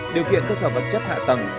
một điều kiện cơ sở vật chất hạ tầng